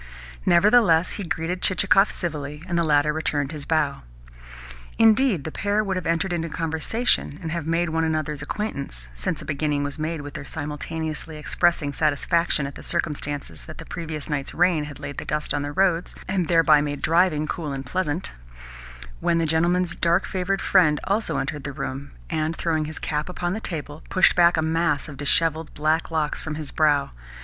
Nevertheless he greeted Chichikov civilly, and the latter returned his bow. Indeed, the pair would have entered into conversation, and have made one another's acquaintance (since a beginning was made with their simultaneously expressing satisfaction at the circumstance that the previous night's rain had laid the dust on the roads, and thereby made driving cool and pleasant) when the gentleman's darker favoured friend also entered the room, and, throwing his cap upon the table, pushed back a mass of dishevelled black locks from his brow.